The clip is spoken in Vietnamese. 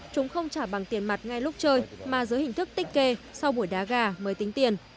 chúng không trả bằng tiền mặt ngay lúc chơi mà dưới hình thức tích kê sau buổi đá gà mới tính tiền